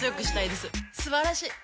すばらしい！